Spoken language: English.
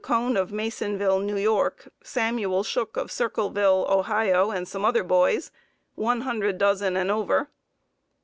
Cone of Masonville, N. Y., Samuel Schook of Circleville, Ohio, and some other boys, 100 dozen and over.